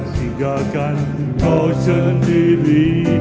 singgalkan kau sendiri